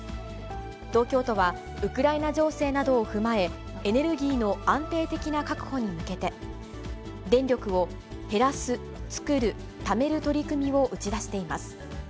東京都は、ウクライナ情勢などを踏まえ、エネルギーの安定的な確保に向けて、電力を減らす、作る、ためる取り組みを打ち出しています。